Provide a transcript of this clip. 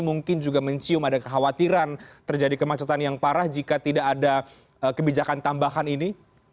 mungkin juga mencium ada kekhawatiran terjadi kemacetan yang parah jika tidak ada kebijakan tambahan ini